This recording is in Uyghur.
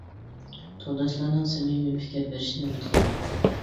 تورداشلارنىڭ سەمىمىي پىكىر بېرىشىنى ئۈمىد قىلىمەن.